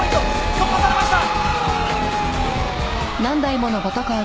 突破されました！